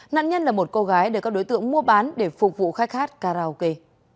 nạn nhân là một cô gái được các đối tượng mua bán để phục vụ khách hát karaoke